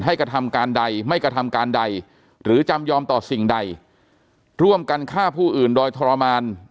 กระทำการใดไม่กระทำการใดหรือจำยอมต่อสิ่งใดร่วมกันฆ่าผู้อื่นโดยทรมาน